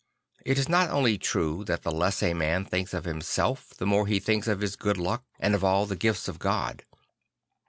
It is not only true that the less a man thinks of himself, the more he thinks of his good luck and of all the gifts of God.